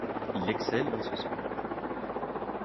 Il excelle dans ce sport.